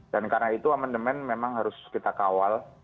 dan karena itu amandemen memang harus kita kawal